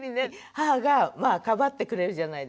母がかばってくれるじゃないですか。